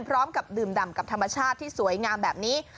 พร้อมกับดื่มดำกับธรรมชาติที่สวยงามแบบนี้